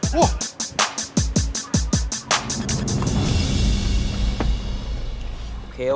ไปเร็ว